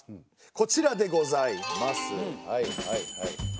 こちらでございます。